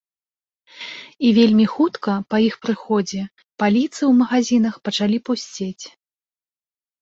І вельмі хутка па іх прыходзе паліцы ў магазінах пачалі пусцець.